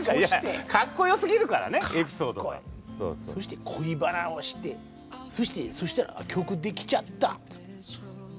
そして恋バナをしてそしたら曲できちゃった。